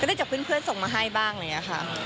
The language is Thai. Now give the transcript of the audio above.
ก็ได้จากเพื่อนส่งมาให้บ้างนี่ค่ะ